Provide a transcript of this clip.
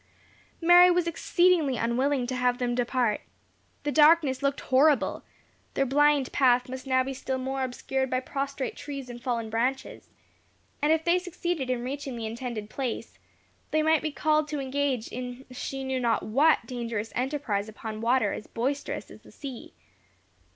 Mary was exceedingly unwilling to have them depart. The darkness looked horrible; their blind path must now be still more obscured by prostrate trees and fallen branches; and if they succeeded in reaching the intended place, they might be called to engage in she knew not what dangerous enterprise upon water as boisterous as the sea.